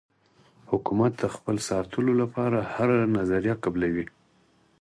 حکومت د خپل ساتلو لپاره هره نظریه قبلوي.